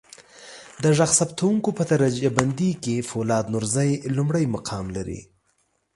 د ږغ ثبتکوونکو په درجه بندی کې فولاد نورزی لمړی مقام لري.